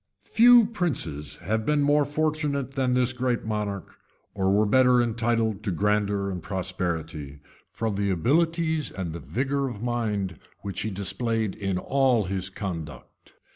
Few princes have been more fortunate than this great monarch, or were better entitled to grandeur and prosperity, from the abilities and the vigor of mind which he displayed in all his conduct.